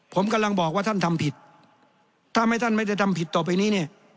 ผมกำลังบอกว่าท่านทำผิดถ้าไม่ท่านไม่ได้ทำผิดต่อไปนี้เนี่ย